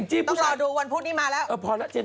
จากกระแสของละครกรุเปสันนิวาสนะฮะ